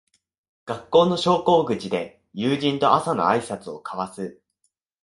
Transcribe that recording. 学校の昇降口で友人と朝のあいさつを交わす